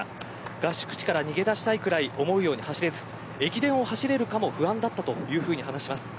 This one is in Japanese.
合宿地から逃げ出したいくらい思うように走れず駅伝を走れるかも不安だったと話します。